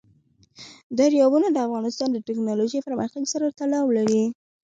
دریابونه د افغانستان د تکنالوژۍ پرمختګ سره تړاو لري.